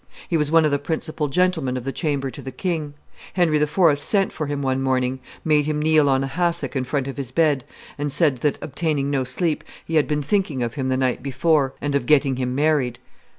He was one of the principal gentlemen of the chamber to the king. Henry IV. sent for him one morning, made him kneel on a hassock in front of his bed, and said that, obtaining no sleep, he had been thinking of him the night before, and of getting him married.